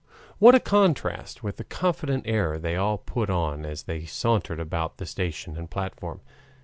What a contrast with the confident air they all put on as they sauntered about the station and platform!